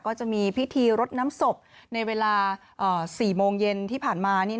ก็จะมีพิธีรดน้ำศพในเวลา๔โมงเย็นที่ผ่านมา